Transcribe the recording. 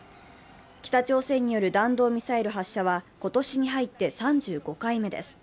北朝鮮による弾道ミサイル発射は今年に入って３５回目です。